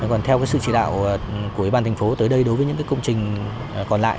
còn theo sự chỉ đạo của bàn thành phố tới đây đối với những công trình còn lại